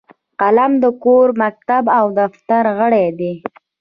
قلم د کور، مکتب او دفتر غړی دی